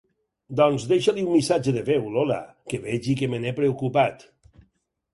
Doncs deixa-li un missatge de veu, Lola, que vegi que me n'he preocupat.